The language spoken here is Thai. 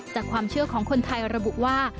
จากความเชื่อของคนไทยระบุว่า